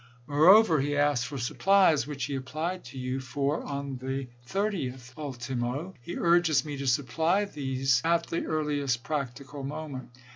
Moreover, he asks for supplies, which he applied to you for on the 30th ultimo. He urges me to supply these wants at the earliest practicable moment.